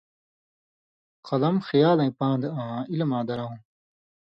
قلم خیالَیں پان٘د آں عِلماں درؤں